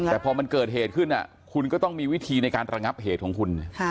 แต่พอมันเกิดเหตุขึ้นคุณก็ต้องมีวิธีในการระงับเหตุของคุณ